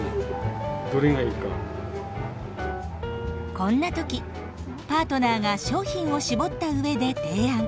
こんな時パートナーが商品を絞った上で提案。